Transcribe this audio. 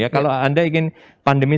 kalau anda ingin pandemi